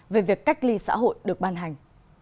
về việc cách ly xã hội được ban hành